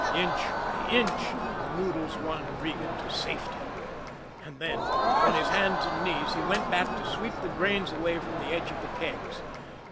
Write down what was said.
Inch by inch, Noodles won Regan to safety and then, on his hands and knees, he went back to sweep the grains away from the edge of the kegs.